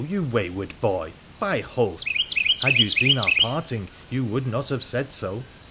you wayward boy ! By Hoth ! had you seen our parting you would not have said so.